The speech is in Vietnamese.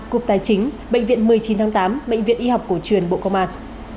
cục tài chính bệnh viện một mươi chín tháng tám bệnh viện y học cổ truyền bộ công an